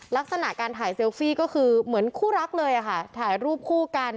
ลักษณะการถ่ายเซลฟี่ก็คือเหมือนคู่รักเลยค่ะถ่ายรูปคู่กัน